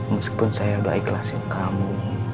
meskipun saya udah ikhlasin kamu